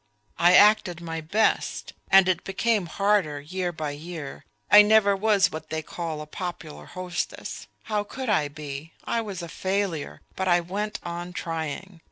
I acted my best. And it became harder year by year.... I never was what they call a popular hostess how could I be? I was a failure; but I went on trying....